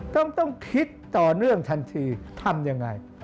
ต้องคิดต่อเนื่องทันทีทำยังไง